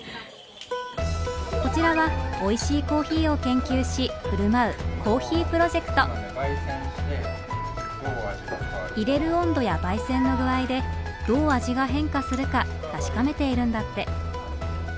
こちらはおいしいコーヒーを研究しふるまういれる温度やばい煎の具合でどう味が変化するか確かめているんだって。